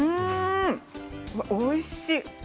おいしい。